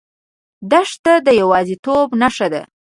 دښته د یوازیتوب نښه ده.